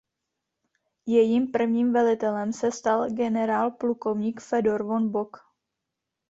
Jejím prvním velitelem se stal generálplukovník Fedor von Bock.